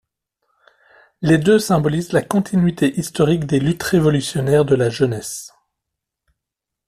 Les deux symbolisent la continuité historique des luttes révolutionnaires de la jeunesse.